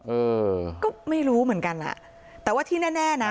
เออก็ไม่รู้เหมือนกันอ่ะแต่ว่าที่แน่แน่นะ